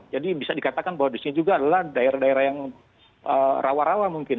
jadi bisa dikatakan bahwa di sini juga adalah daerah daerah yang rawa rawa mungkin